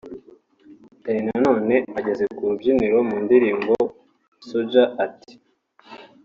Danny Nanone ageze ku rubyiniro mu ndirimbo ’Soldier’ ati